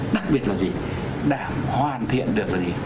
đặc biệt là gì đã hoàn thiện được gì